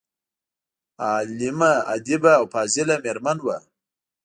عالمه، ادیبه او فاضله میرمن وه.